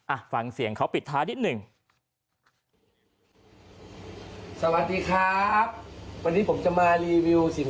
อ่ะฟังเสียงเขาปิดท้ายนิดหนึ่ง